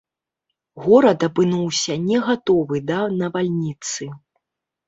Горад апынуўся не гатовы да навальніцы.